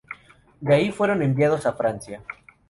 De ahí fueron enviados a Francia.